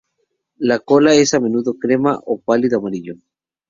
La cola es a menudo crema o pálido amarillo.